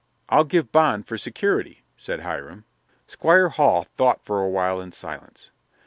"I'll give bond for security," said Hiram. Squire Hall thought for a while in silence.